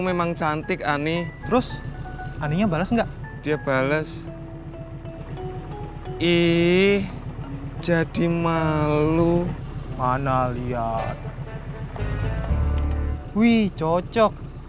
memang cantik ani terus aninya bales enggak dia bales ih jadi malu mana lihat wuih cocok